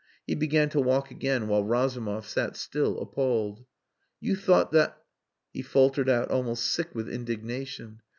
He began to walk again while Razumov sat still appalled. "You thought that " he faltered out almost sick with indignation.